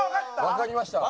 わかりました。